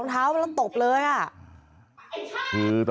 น้าสาวของน้าผู้ต้องหาเป็นยังไงไปดูนะครับ